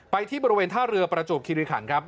ที่บริเวณท่าเรือประจวบคิริขันครับ